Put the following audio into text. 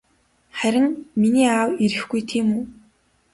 Харин миний аав ирэхгүй тийм үү?